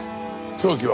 凶器は？